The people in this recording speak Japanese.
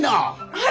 はい！